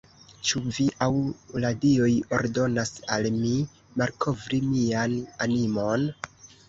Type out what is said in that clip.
Ĉu vi aŭ la dioj ordonas al mi malkovri mian animon?